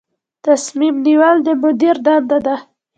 تصمیم نیول د مدیر دنده ده